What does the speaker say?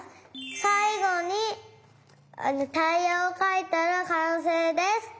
さいごにタイヤをかいたらかんせいです。